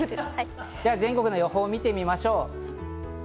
全国の予報を見てみましょう。